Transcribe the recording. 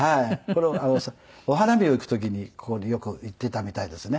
これお花見を行く時にここによく行っていたみたいですね。